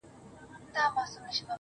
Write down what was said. خپلي خبري خو نو نه پرې کوی.